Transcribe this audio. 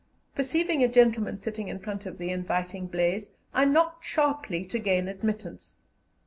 Perceiving a gentleman sitting in front of the inviting blaze, I knocked sharply to gain admittance.